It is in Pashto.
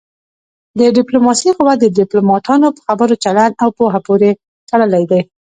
د ډيپلوماسی قوت د ډيپلوماټانو په خبرو، چلند او پوهه پورې تړلی دی.